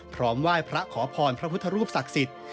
พร้อมไหว้พระขอพรพระพุทธรูปศักดิ์สิทธิ์